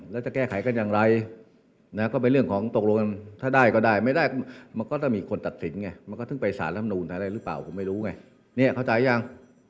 ผมไม่รู้ไงเนี่ยเข้าใจหรือยัง